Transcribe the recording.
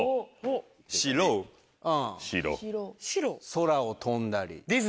空を飛んだり。